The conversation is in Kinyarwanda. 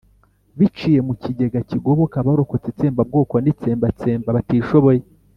biciye mu kigega kigoboka abarokotse itsembabwoko n'itsembatsemba batishoboye